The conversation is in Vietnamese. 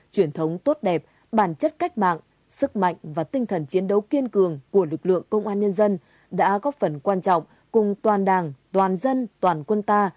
truyền thống tốt đẹp bản chất cách mạng sức mạnh và tinh thần chiến đấu kiên cường của lực lượng công an nhân dân đã góp phần quan trọng cùng toàn đảng toàn dân toàn quân ta